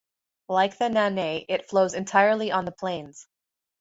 Like the Nanay, it flows entirely on the plains.